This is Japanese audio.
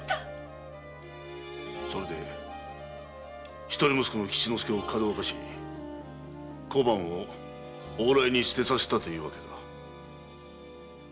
それで一人息子の吉之助をかどわかし小判を往来に捨てさせたというわけか。